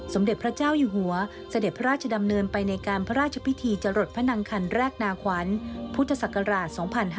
สมเด็จพระเจ้าอยู่หัวเสด็จพระราชดำเนินไปในการพระราชพิธีจรดพระนังคันแรกนาขวัญพุทธศักราช๒๕๕๙